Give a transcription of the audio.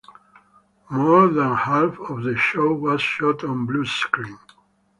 More than half of the show was shot on bluescreen.